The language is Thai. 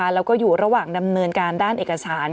แล้วก็อยู่ระหว่างดำเนินการด้านเอกสาร